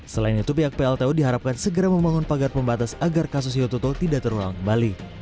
selain itu pihak pltu diharapkan segera membangun pagar pembatas agar kasus yototo tidak terulang kembali